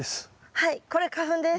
はいこれ花粉です。